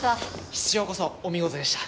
室長こそお見事でした。